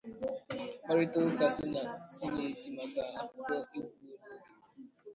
Mkparịta ụka Sineti maka akụkọ a egbuola oge.